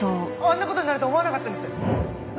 あんな事になると思わなかったんです！